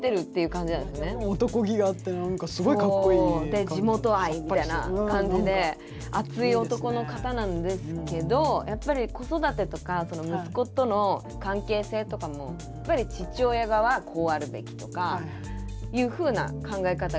で地元愛みたいな感じで熱い男の方なんですけどやっぱり子育てとか息子との関係性とかも父親側はこうあるべきとかいうふうな考え方が少しあって。